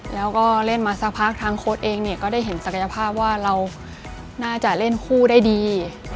แล้วก็เล่นมาสักพักทางโค้ดเองเนี่ยก็ได้เห็นศักยภาพว่าเราน่าจะเล่นคู่ได้ดี